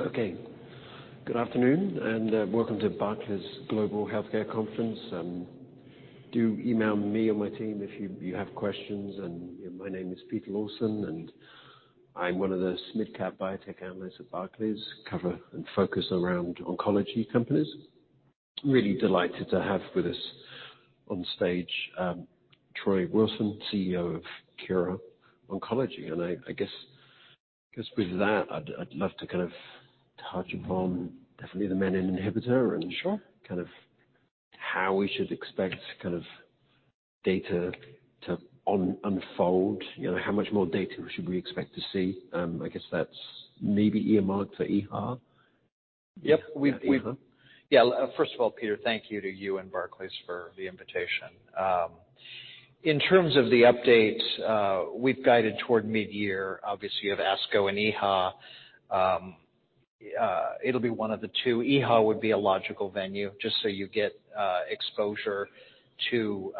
Okay. Good afternoon, and welcome to Barclays Global Healthcare Conference. Do email me or my team if you have questions. My name is Peter Lawson, and I'm one of the mid-cap biotech analysts at Barclays, cover and focus around oncology companies. Really delighted to have with us on stage, Troy Wilson, CEO of Kura Oncology. I guess with that, I'd love to kind of touch upon definitely the menin inhibitor. Sure. Kind of how we should expect kind of data to unfold. You know, how much more data should we expect to see? I guess that's maybe earmarked for EHA. Yep. Yeah, EHA. Yeah. First of all, Peter, thank you to you and Barclays for the invitation. In terms of the update, we've guided toward midyear, obviously you have ASCO and EHA. It'll be one of the two. EHA would be a logical venue, just so you get exposure to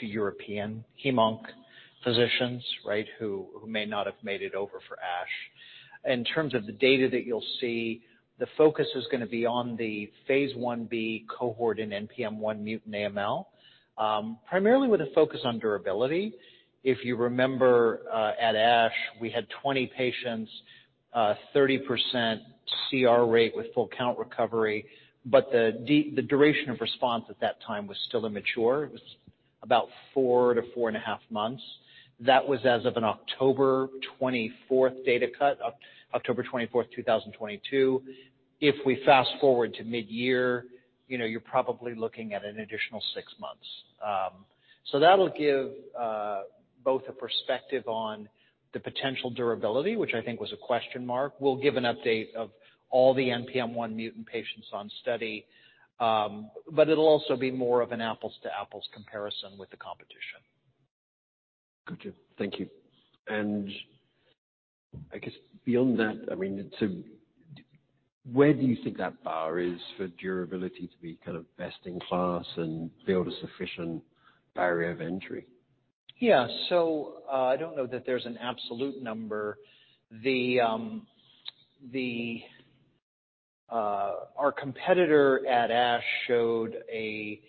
European HemOnc physicians, right, who may not have made it over for ASH. In terms of the data that you'll see, the focus is gonna be on the phase 1b cohort in NPM1-mutated AML, primarily with a focus on durability. If you remember, at ASH, we had 20 patients, 30% CR rate with full count recovery, the duration of response at that time was still immature. It was about four to four and a half months. That was as of an October 24th data cut, October 24th, 2022. If we fast-forward to midyear, you know, you're probably looking at an additional six months. That'll give both a perspective on the potential durability, which I think was a question mark. We'll give an update of all the NPM1-mutated patients on study, it'll also be more of an apples to apples comparison with the competition. Gotcha. Thank you. I mean, so where do you think that bar is for durability to be kind of best in class and build a sufficient barrier of entry? Yeah. I don't know that there's an absolute number. Our competitor at ASH showed a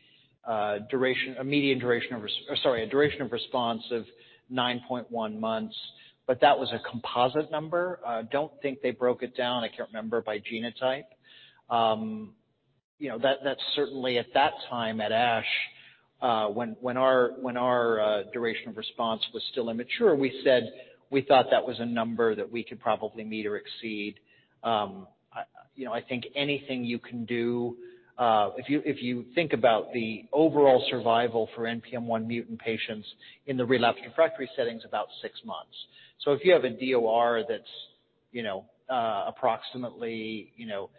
duration, a median duration of response of nine point one months, that was a composite number. Don't think they broke it down, I can't remember, by genotype. You know, that certainly at that time at ASH, when our duration of response was still immature, we said we thought that was a number that we could probably meet or exceed. I, you know, I think anything you can do, if you think about the overall survival for NPM1 mutant patients in the relapsed/refractory setting's about six months. If you have a DOR that's, you know, approximately, you know,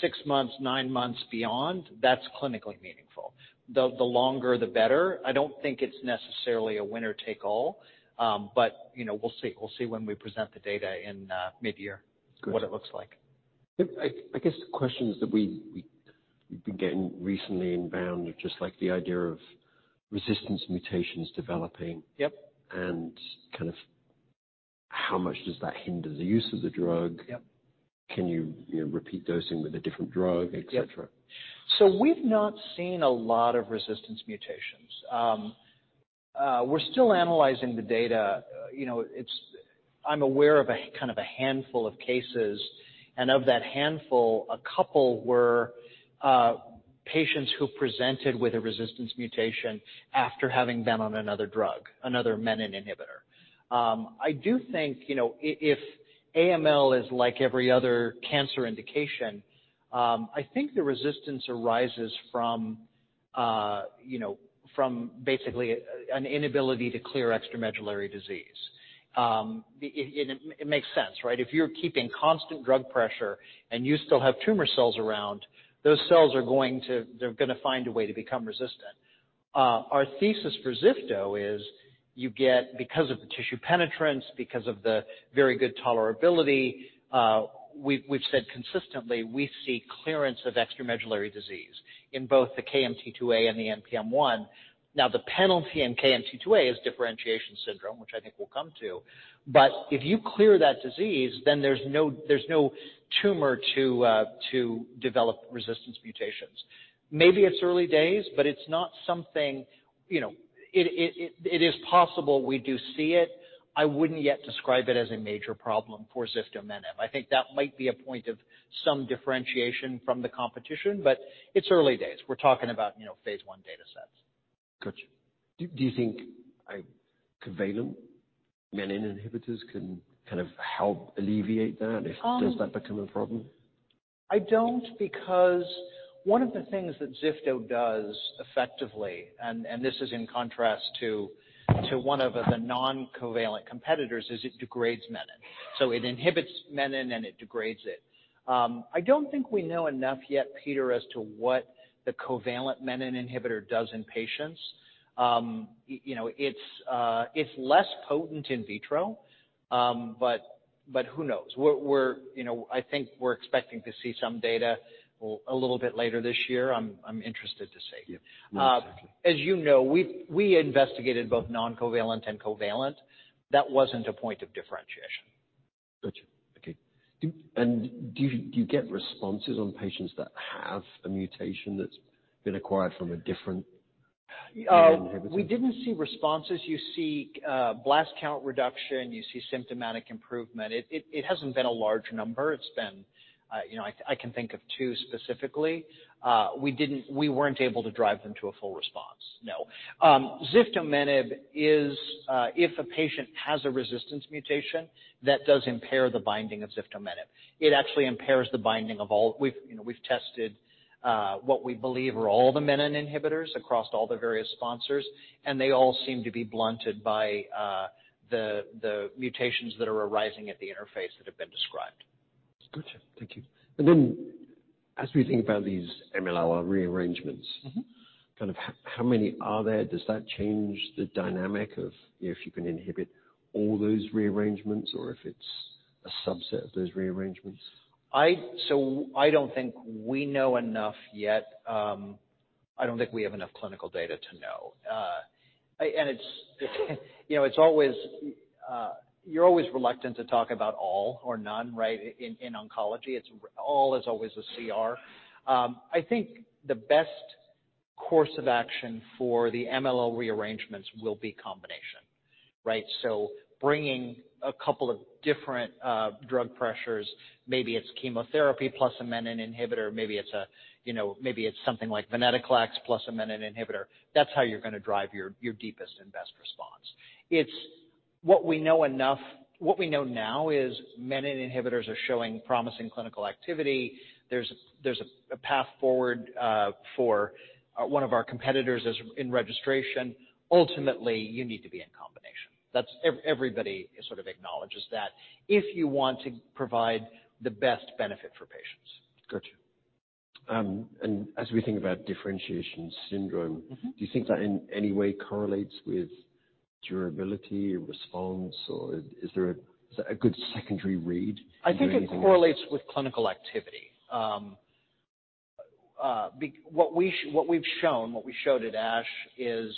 six months, nine months beyond, that's clinically meaningful. The longer the better. I don't think it's necessarily a winner take all, but, you know, we'll see. We'll see when we present the data in mid-year. Good. What it looks like. I guess questions that we've been getting recently inbound are just like the idea of resistance mutations developing. Yep. Kind of how much does that hinder the use of the drug? Yep. Can you know, repeat dosing with a different drug? Yep. Et cetera? We've not seen a lot of resistance mutations. We're still analyzing the data. You know, I'm aware of a kind of a handful of cases, and of that handful, a couple were patients who presented with a resistance mutation after having been on another drug, another menin inhibitor. I do think, you know, if AML is like every other cancer indication, I think the resistance arises from, you know, from basically an inability to clear extramedullary disease. It makes sense, right? If you're keeping constant drug pressure and you still have tumor cells around, those cells are going to find a way to become resistant. Our thesis for ziftomenib is you get, because of the tissue penetrance, because of the very good tolerability, we've said consistently, we see clearance of extramedullary disease in both the KMT2A and the NPM1. The penalty in KMT2A is differentiation syndrome, which I think we'll come to. If you clear that disease, then there's no, there's no tumor to develop resistance mutations. Maybe it's early days, but it's not something, you know, it is possible we do see it. I wouldn't yet describe it as a major problem for ziftomenib. I think that might be a point of some differentiation from the competition, but it's early days. We're talking about, you know, phase I datasets. Gotcha. Do you think a covalent menin inhibitors can kind of help alleviate that? Um. Does that become a problem? I don't because one of the things that ziftomenib does effectively, and this is in contrast to one of the non-covalent competitors, is it degrades menin. It inhibits menin and it degrades it. I don't think we know enough yet, Peter, as to what the covalent menin inhibitor does in patients. You know, it's less potent in vitro, but who knows? We're, you know, I think we're expecting to see some data a little bit later this year. I'm interested to see. Yeah. No, exactly. As you know, we investigated both non-covalent and covalent. That wasn't a point of differentiation. Gotcha. Okay. Do you get responses on patients that have a mutation that's been acquired from a different inhibitor? We didn't see responses. You see blast count reduction, you see symptomatic improvement. It hasn't been a large number. It's been, you know. I can think of two specifically. We weren't able to drive them to a full response. No. Ziftomenib is, if a patient has a resistance mutation that does impair the binding of ziftomenib. It actually impairs the binding of all. We've, you know, we've tested what we believe are all the menin inhibitors across all the various sponsors, and they all seem to be blunted by the mutations that are arising at the interface that have been described. Gotcha. Thank you. As we think about these MLL rearrangements. Mm-hmm. Kind of how many are there? Does that change the dynamic of if you can inhibit all those rearrangements or if it's a subset of those rearrangements? I don't think we know enough yet. I don't think we have enough clinical data to know. It's, you know, it's always, you're always reluctant to talk about all or none, right? In, in oncology, it's all is always a CR. I think the best course of action for the MLL rearrangements will be combination, right? Bringing a couple of different drug pressures, maybe it's chemotherapy plus a menin inhibitor, maybe it's, you know, maybe it's something like venetoclax plus a menin inhibitor. That's how you're gonna drive your deepest and best response. It's what we know. What we know now is menin inhibitors are showing promising clinical activity. There's, there's a path forward for one of our competitors as in registration. Ultimately, you need to be in combination. That's everybody sort of acknowledges that if you want to provide the best benefit for patients. Gotcha. As we think about differentiation syndrome. Mm-hmm. Do you think that in any way correlates with durability or response, or is there a, is that a good secondary read to do anything with that? I think it correlates with clinical activity. What we've shown, what we showed at ASH is,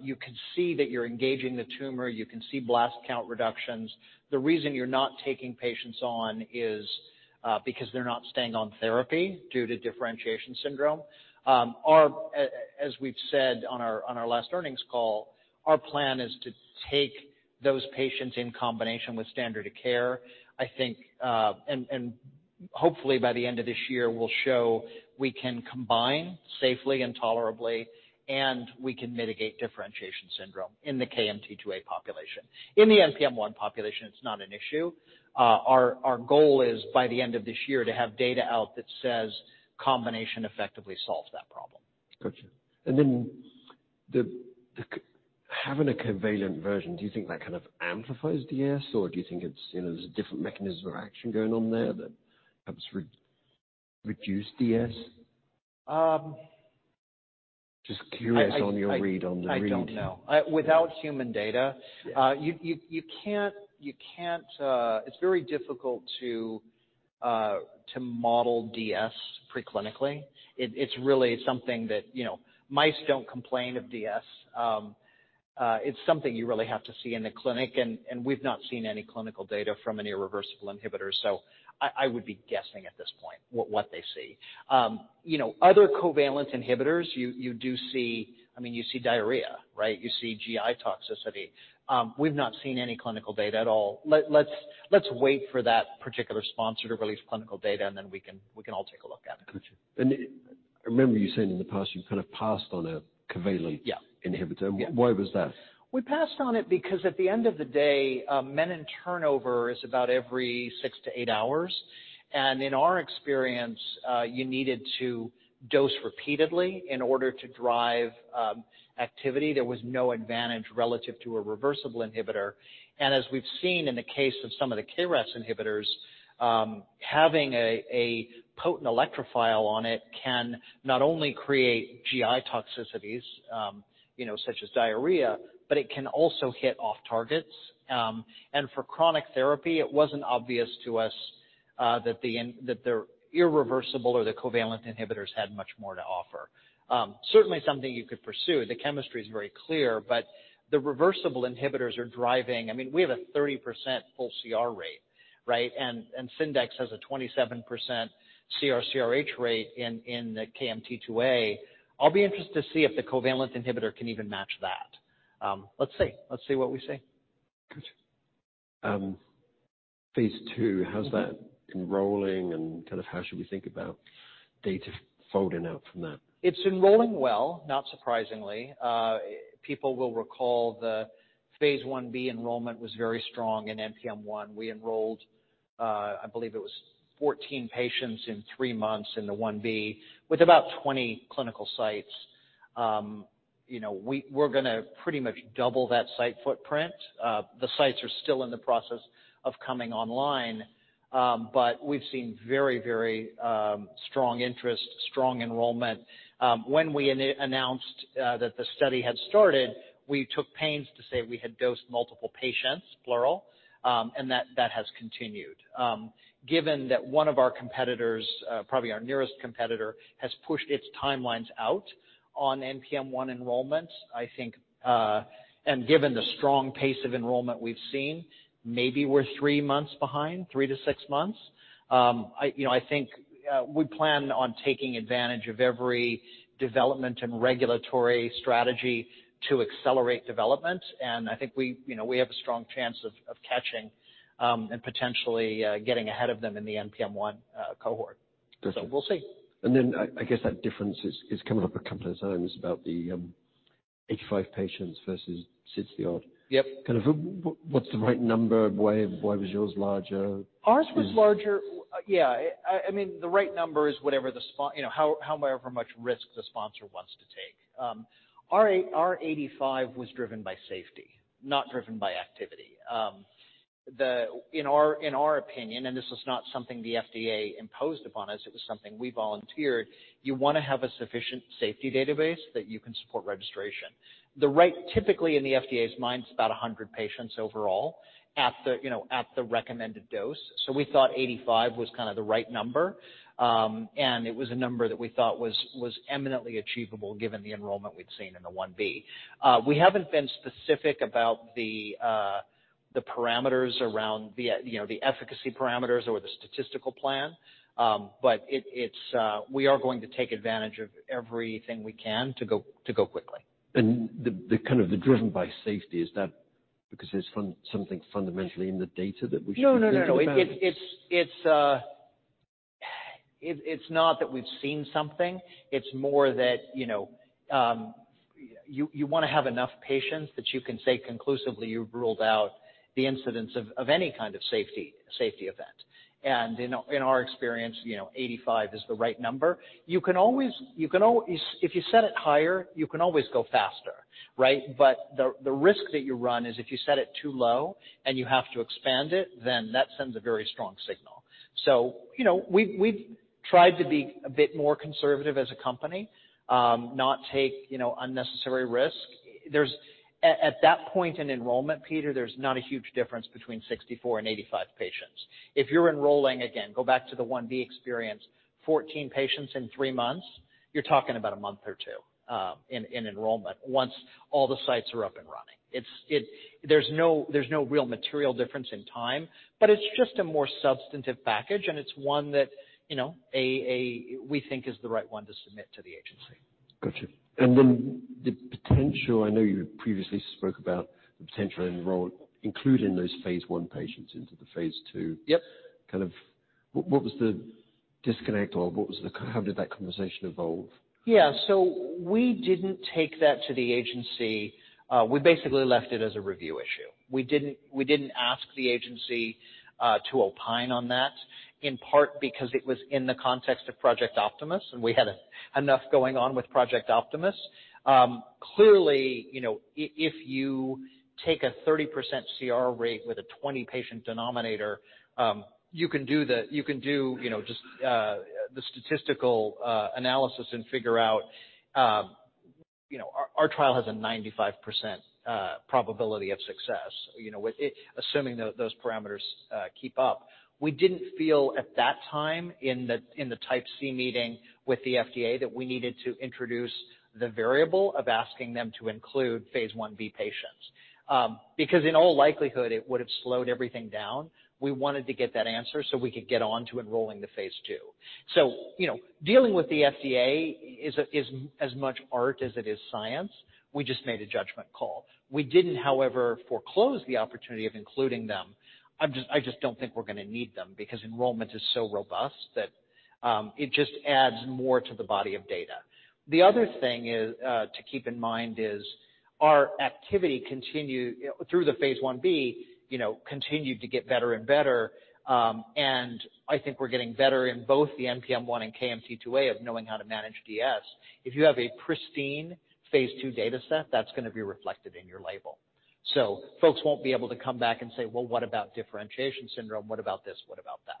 you can see that you're engaging the tumor, you can see blast count reductions. The reason you're not taking patients on is because they're not staying on therapy due to differentiation syndrome. As we've said on our last earnings call, our plan is to take those patients in combination with standard of care. I think, hopefully by the end of this year, we'll show we can combine safely and tolerably, and we can mitigate differentiation syndrome in the KMT2A population. In the NPM1 population, it's not an issue. Our goal is by the end of this year to have data out that says combination effectively solves that problem. Gotcha. Having a covalent version, do you think that kind of amplifies DS, or do you think it's, you know, there's a different mechanism or action going on there that perhaps reduce DS? Um. Just curious on your read on the read. I don't know. Without human data. Yeah. you can't, you can't. It's very difficult to model DLTs preclinically. It's really something that, you know, mice don't complain of DLTs. It's something you really have to see in the clinic and we've not seen any clinical data from an irreversible inhibitor. I would be guessing at this point what they see. You know, other covalent inhibitors, you do see. I mean, you see diarrhea, right? You see GI toxicity. We've not seen any clinical data at all. Let's wait for that particular sponsor to release clinical data, and then we can all take a look at it. Gotcha. I remember you saying in the past, you kind of passed on a covalent. Yeah. Inhibitor. Yeah. Why was that? We passed on it because at the end of the day, menin turnover is about every six to eight hours. In our experience, you needed to dose repeatedly in order to drive activity. There was no advantage relative to a reversible inhibitor. As we've seen in the case of some of the KRAS inhibitors, having a potent electrophile on it can not only create GI toxicities, you know, such as diarrhea, but it can also hit off targets. For chronic therapy, it wasn't obvious to us that the irreversible or the covalent inhibitors had much more to offer. Certainly something you could pursue. The chemistry is very clear, but the reversible inhibitors are driving. I mean, we have a 30% full CR rate, right? Syndax has a 27% CR/CRH rate in the KMT2A. I'll be interested to see if the covalent inhibitor can even match that. Let's see. Let's see what we see. Gotcha. phase II. Mm-hmm. How's that enrolling, and kind of how should we think about data folding out from that? It's enrolling well, not surprisingly. People will recall the phase 1b enrollment was very strong in NPM1. We enrolled, I believe it was 14 patients in three months in the 1b with about 20 clinical sites. you know, we're gonna pretty much double that site footprint. The sites are still in the process of coming online, but we've seen very strong interest, strong enrollment. When we announced that the study had started, we took pains to say we had dosed multiple patients, plural, and that has continued. Given that one of our competitors, probably our nearest competitor, has pushed its timelines out on NPM1 enrollments, I think, and given the strong pace of enrollment we've seen, maybe we're three months behind, three to six months. I, you know, I think, we plan on taking advantage of every development and regulatory strategy to accelerate development, and I think we, you know, we have a strong chance of catching, and potentially, getting ahead of them in the NPM1 cohort. Got you. We'll see. I guess that difference is coming up a couple of times about the 85 patients versus 60 odd. Yep. Kind of a what's the right number? Why was yours larger? Ours was larger. Yeah. I mean, the right number is whatever the you know, however much risk the sponsor wants to take. Our 85 was driven by safety, not driven by activity. In our opinion, and this was not something the FDA imposed upon us, it was something we volunteered, you wanna have a sufficient safety database that you can support registration. Typically in the FDA's mind, it's about 100 patients overall at the, you know, at the recommended dose. We thought 85 was kinda the right number, and it was a number that we thought was eminently achievable given the enrollment we'd seen in the 1b. We haven't been specific about the parameters around the, you know, the efficacy parameters or the statistical plan, but it's, we are going to take advantage of everything we can to go quickly. The kind of the driven by safety, is that because there's something fundamentally in the data that we should be thinking about? No, no, no. It's, it's not that we've seen something. It's more that, you know, you wanna have enough patients that you can say conclusively you've ruled out the incidence of any kind of safety event. In our experience, you know, 85 is the right number. You can always, if you set it higher, you can always go faster, right? The risk that you run is if you set it too low and you have to expand it, then that sends a very strong signal. You know, we've tried to be a bit more conservative as a company, not take, you know, unnecessary risk. At that point in enrollment, Peter, there's not a huge difference between 64 and 85 patients. If you're enrolling, again, go back to the 1b experience, 14 patients in three months, you're talking about a month or two, in enrollment once all the sites are up and running. There's no, there's no real material difference in time, but it's just a more substantive package, and it's one that, you know, a we think is the right one to submit to the agency. Gotcha. The potential, I know you previously spoke about the potential enroll, including those phase I patients into the phase II. Yep. Kind of what was the disconnect or how did that conversation evolve? We didn't take that to the agency. We basically left it as a review issue. We didn't ask the agency to opine on that, in part because it was in the context of Project Optimus, and we had enough going on with Project Optimus. Clearly, you know, if you take a 30% CR rate with a 20-patient denominator, you can do, you know, just, the statistical analysis and figure out, you know, our trial has a 95% probability of success, you know, assuming those parameters keep up. We didn't feel at that time in the, in the type C meeting with the FDA that we needed to introduce the variable of asking them to include phase 1b patients. Because in all likelihood, it would have slowed everything down. We wanted to get that answer so we could get on to enrolling the phase II. You know, dealing with the FDA is as much art as it is science. We just made a judgment call. We didn't, however, foreclose the opportunity of including them. I just don't think we're gonna need them because enrollment is so robust that, it just adds more to the body of data. The other thing to keep in mind is our activity continue, you know, through the phase 1b, you know, continued to get better and better, and I think we're getting better in both the NPM1 and KMT2A of knowing how to manage DS. If you have a pristine phase II data set, that's gonna be reflected in your label. folks won't be able to come back and say, "Well, what about differentiation syndrome? What about this? What about that?"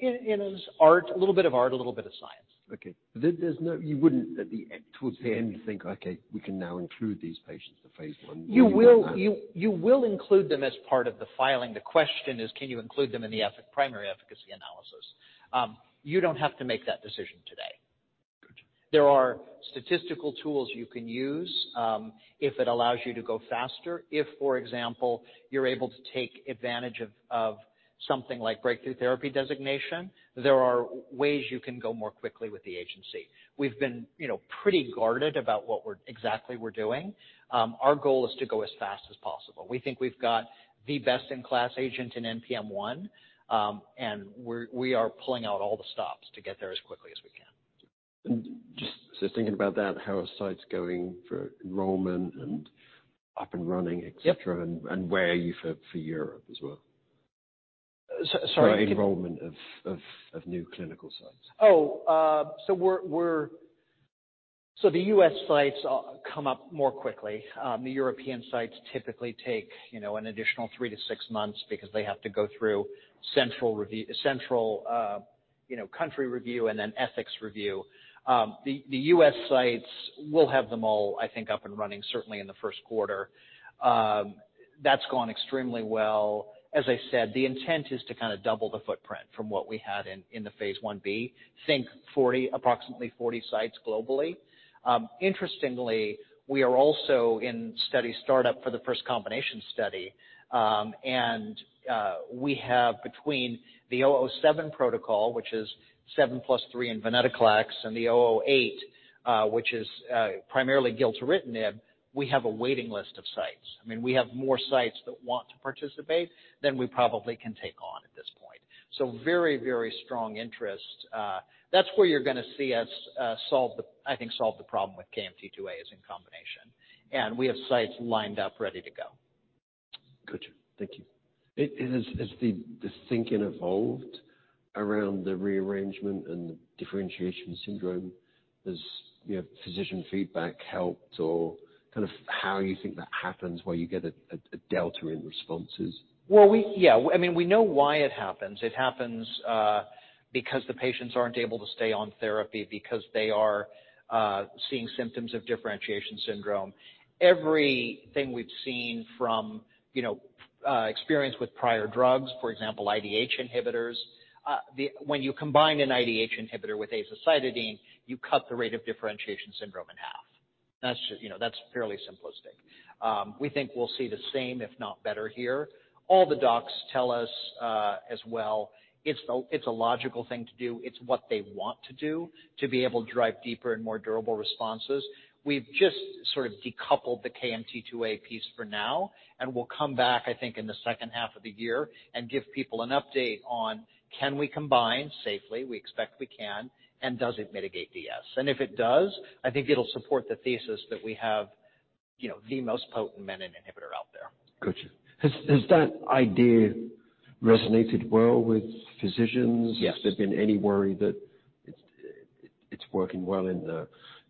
It is art, a little bit of art, a little bit of science. Okay. There's no You wouldn't at the end, towards the end think, "Okay, we can now include these patients to phase I." Or you wouldn't know? You will include them as part of the filing. The question is, can you include them in the primary efficacy analysis? You don't have to make that decision today. Gotcha. There are statistical tools you can use if it allows you to go faster. If, for example, you're able to take advantage of something like breakthrough therapy designation, there are ways you can go more quickly with the agency. We've been, you know, pretty guarded about exactly we're doing. Our goal is to go as fast as possible. We think we've got the best-in-class agent in NPM1, and we are pulling out all the stops to get there as quickly as we can. Just thinking about that, how are sites going for enrollment and up and running, et cetera? Yep. Where are you for Europe as well? Sorry. For enrollment of new clinical sites. The U.S. sites come up more quickly. The European sites typically take, you know, an additional 3 to 6 months because they have to go through country review and then ethics review. The U.S. sites will have them all, I think, up and running certainly in the first quarter. That's gone extremely well. As I said, the intent is to kinda double the footprint from what we had in the phase 1b. Approximately 40 sites globally. Interestingly, we are also in study startup for the first combination study, and we have between the KOMET-007 protocol, which is seven plus three in venetoclax, and the KOMET-008, which is primarily gilteritinib, we have a waiting list of sites. I mean, we have more sites that want to participate than we probably can take on at this point. Very, very strong interest. That's where you're gonna see us solve the problem with KMT2A as in combination. We have sites lined up ready to go. Gotcha. Thank you. Has the thinking evolved around the rearrangement and the differentiation syndrome? Has, you know, physician feedback helped or kind of how you think that happens where you get a delta in responses? Well, yeah, I mean, we know why it happens. It happens because the patients aren't able to stay on therapy because they are seeing symptoms of differentiation syndrome. Everything we've seen from, you know, experience with prior drugs, for example, IDH inhibitors, when you combine an IDH inhibitor with azacitidine, you cut the rate of differentiation syndrome in half. That's just, you know, that's fairly simplistic. We think we'll see the same, if not better here. All the docs tell us as well, it's a logical thing to do. It's what they want to do to be able to drive deeper and more durable responses. We've just sort of decoupled the KMT2A piece for now. We'll come back, I think, in the second half of the year and give people an update on can we combine safely, we expect we can, and does it mitigate DS. If it does, I think it'll support the thesis that we have, you know, the most potent menin inhibitor out there. Gotcha. Has that idea resonated well with physicians? Yes. Has there been any worry that it's working well in the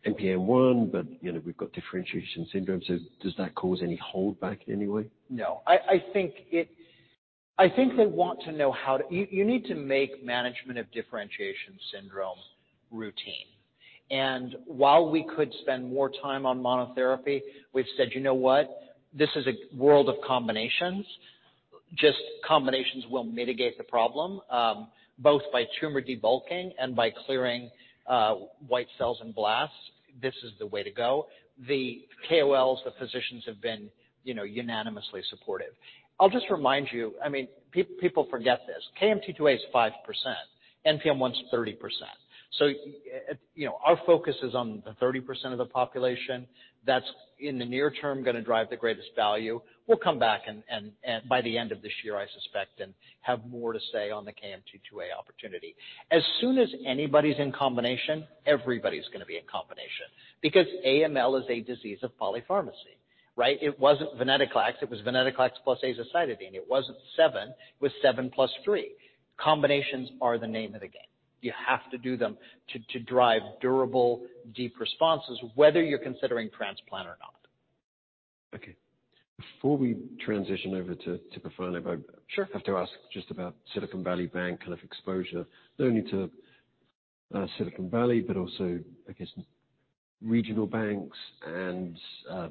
NPM1, but, you know, we've got differentiation syndrome, so does that cause any holdback in any way? No. I think they want to know how to. You need to make management of differentiation syndrome routine. While we could spend more time on monotherapy, we've said, "You know what? This is a world of combinations. Just combinations will mitigate the problem, both by tumor debulking and by clearing white cells and blasts. This is the way to go." The KOLs, the physicians have been, you know, unanimously supportive. I'll just remind you, I mean, people forget this. KMT2A is 5%, NPM1's 30%. You know, our focus is on the 30% of the population that's, in the near term, gonna drive the greatest value. We'll come back and by the end of this year, I suspect, and have more to say on the KMT2A opportunity. As soon as anybody's in combination, everybody's gonna be in combination because AML is a disease of polypharmacy, right? It wasn't venetoclax, it was venetoclax plus azacitidine. It wasn't seven, it was seven plus three. Combinations are the name of the game. You have to do them to drive durable, deep responses, whether you're considering transplant or not. Okay. Before we transition over to tipifarnib. Sure. I have to ask just about Silicon Valley Bank kind of exposure, not only to Silicon Valley, but also I guess regional banks and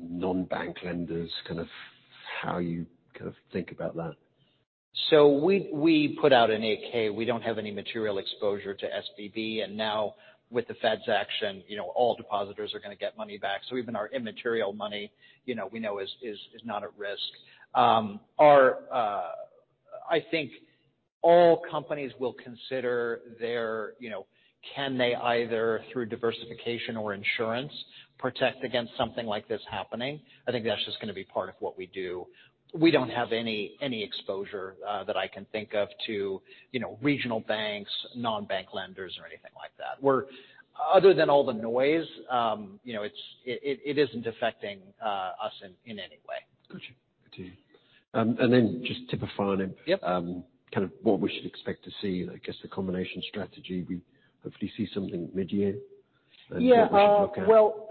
non-bank lenders, kind of how you kind of think about that. We put out an 8-K. We don't have any material exposure to SVB. Now with the Fed's action, you know, all depositors are gonna get money back. Even our immaterial money, you know, we know is not at risk. I think all companies will consider their, you know, can they either through diversification or insurance protect against something like this happening? I think that's just gonna be part of what we do. We don't have any exposure that I can think of to, you know, regional banks, non-bank lenders or anything like that. Other than all the noise, you know, it isn't affecting us in any way. Gotcha. Gotcha. Then just tipifarnib. Yep. kind of what we should expect to see, I guess the combination strategy. We hopefully see something mid-year and what we should look at. Yeah. Well,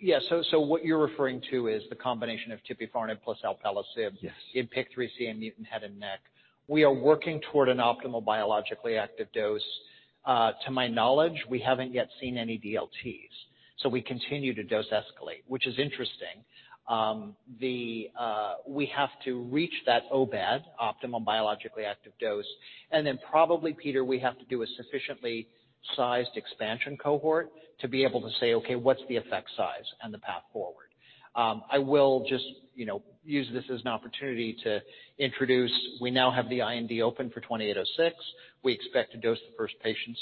yeah. What you're referring to is the combination of tipifarnib plus alpelisib. Yes. In PIK3CA mutant head and neck. We are working toward an optimal biologically active dose. To my knowledge, we haven't yet seen any DLTs, so we continue to dose escalate, which is interesting. The we have to reach that OBAD, optimal biologically active dose, and then probably, Peter, we have to do a sufficiently sized expansion cohort to be able to say, "Okay, what's the effect size and the path forward?" I will just, you know, use this as an opportunity to introduce, we now have the IND open for KO-2806. We expect to dose the first patients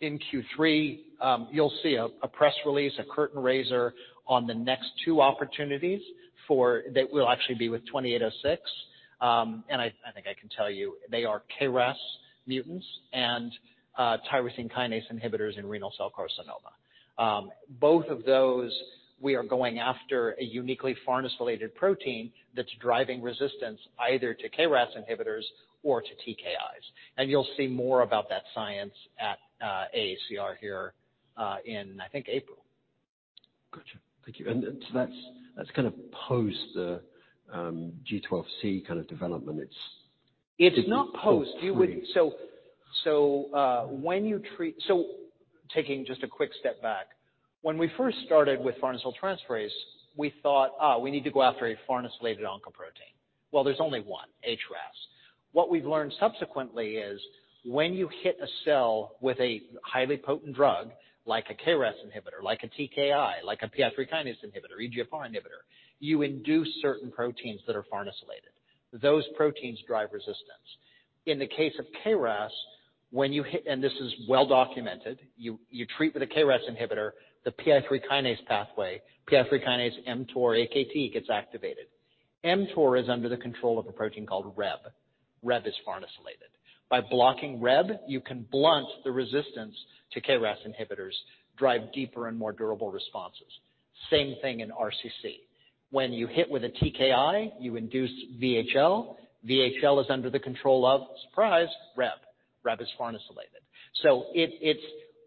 in Q3. You'll see a press release, a curtain raiser on the next two opportunities that will actually be with KO-2806. I think I can tell you they are KRAS mutants and tyrosine kinase inhibitors in renal cell carcinoma. Both of those we are going after a uniquely farnesylated protein that's driving resistance either to KRAS inhibitors or to TKIs. You'll see more about that science at AACR here in I think April. Thank you. That's kind of post the G12C kind of development. It's not post. Taking just a quick step back, when we first started with farnesyltransferase, we thought, "We need to go after a farnesylated oncoprotein." Well, there's only one, HRAS. What we've learned subsequently is when you hit a cell with a highly potent drug like a KRAS inhibitor, like a TKI, like a PI3K inhibitor, EGFR inhibitor, you induce certain proteins that are farnesylated. Those proteins drive resistance. In the case of KRAS, when you hit, and this is well documented, you treat with a KRAS inhibitor, the PI3K pathway, PI3K mTOR AKT gets activated. mTOR is under the control of a protein called RHEB. RHEB is farnesylated. By blocking RHEB, you can blunt the resistance to KRAS inhibitors, drive deeper and more durable responses. Same thing in RCC. When you hit with a TKI, you induce VHL. VHL is under the control of, surprise, RHEB. RHEB is farnesylated. It's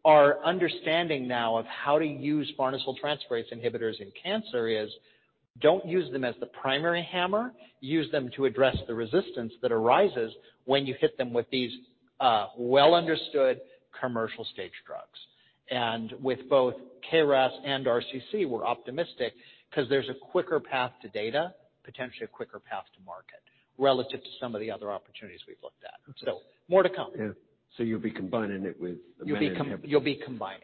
our understanding now of how to use farnesyltransferase inhibitors in cancer is don't use them as the primary hammer. Use them to address the resistance that arises when you hit them with these well-understood commercial stage drugs. With both KRAS and RCC, we're optimistic 'cause there's a quicker path to data, potentially a quicker path to market relative to some of the other opportunities we've looked at. Okay. More to come. Yeah. You'll be combining it with a MEK inhibitor. You'll be combining.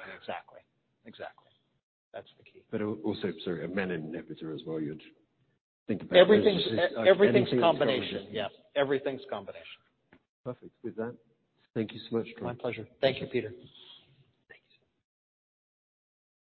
Exactly. That's the key. also, sorry, a MEK inhibitor as well. Everything's a combination. Anything that's got resistance. Yes, everything's a combination. Perfect. With that, thank you so much, Troy. My pleasure. Thank you, Peter. Thanks.